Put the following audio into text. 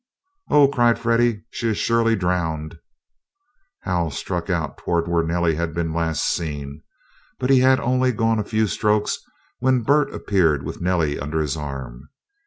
"Oh," cried Freddie. "She is surely drowned!" Hal struck out toward where Nellie had been last seen, but he had only gone a few strokes when Bert appeared with Nellie under his arm.